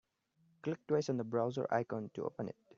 Click twice on the browser's icon to open it.